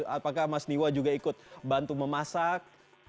apakah mas niwa juga ikut bantu memasak